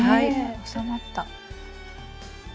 収まった。